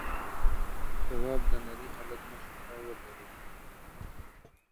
تواب د نري هلک مخې ته ودرېد: